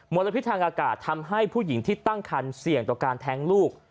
ลพิษทางอากาศทำให้ผู้หญิงที่ตั้งคันเสี่ยงต่อการแท้งลูก